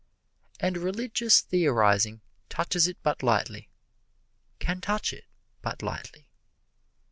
And religious theorizing touches it but lightly can touch it but lightly.